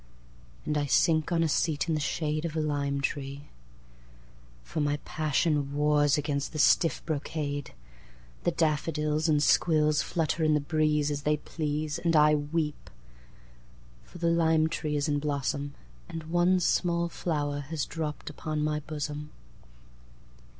And I sink on a seat in the shadeOf a lime tree. For my passionWars against the stiff brocade. The daffodils and squillsFlutter in the breezeAs they please. And I weep; For the lime tree is in blossomAnd one small flower has dropped upon my bosom.